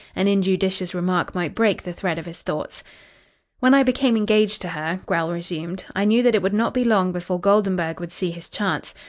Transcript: An injudicious remark might break the thread of his thoughts. "When I became engaged to her," Grell resumed, "I knew that it would not be long before Goldenburg would see his chance.